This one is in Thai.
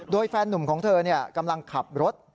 โดยแฟนนุ่มของเธอกำลังขับรถ